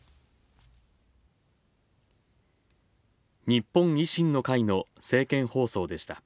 日本維新の会の政見放送でした。